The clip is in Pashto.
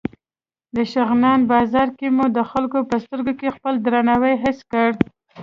د شغنان بازار کې مو د خلکو په سترګو کې خپل درناوی حس کړ.